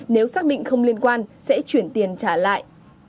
nếu xác định không liên quan sẽ chuyển tiền trả lại